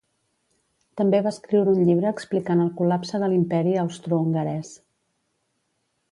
També va escriure un llibre explicant el col·lapse de l'Imperi Austrohongarès.